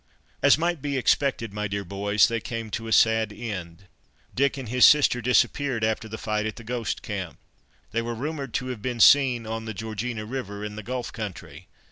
As might be expected, my dear boys, they came to a sad end. Dick and his sister disappeared after the fight at "the Ghost Camp." They were rumoured to have been seen on the Georgina River, in the Gulf country.